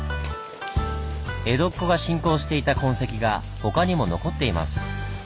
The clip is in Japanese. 江戸っ子が信仰していた痕跡が他にも残っています。